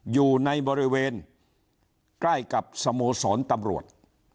อยู่ในบริเวณใกล้กับสโมสรตำรวจ